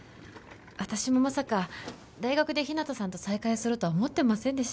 私もまさか大学で日向さんと再会するとは思ってませんでした